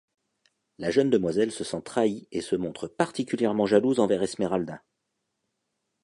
La jeune demoiselle se sent trahie et se montre particulièrement jalouse envers Esméralda.